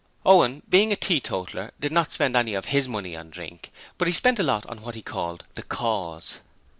Owen, being a teetotaller, did not spend any of his money on drink; but he spent a lot on what he called 'The Cause'.